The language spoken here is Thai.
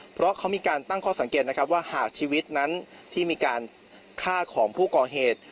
เพราะเขามีการตั้งข้อสังเกตนะครับว่าหากชีวิตนั้นที่มีการฆ่าของผู้ก่อเหตุ